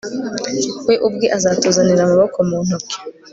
We ubwe azatuzanira amaboko mu ntoki